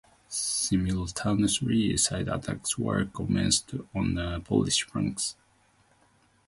Simultaneously, side attacks were commenced on the Polish flanks.